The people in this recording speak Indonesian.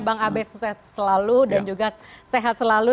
bang abe selalu dan juga sehat selalu